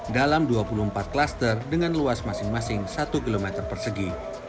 dalam dua puluh empat klaster dengan luas masing masing satu km persegi